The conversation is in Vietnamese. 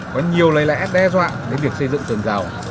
có nhiều lời lẽ đe dọa đến việc xây dựng tường rào